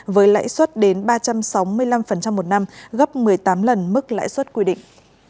với lãi suất đến ba trăm sáu mươi năm một năm gấp một mươi tám lần mức lãi suất quy định